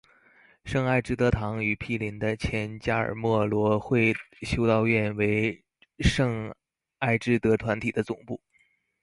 圣艾智德堂与毗邻的前加尔默罗会修道院为圣艾智德团体的总部。